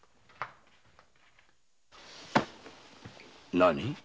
何？